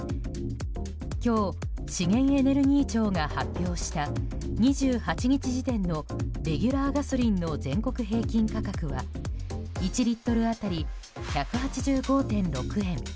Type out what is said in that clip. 今日資源エネルギー庁が発表した２８日時点のレギュラーガソリンの全国平均価格は１リットル当たり１８５．６円。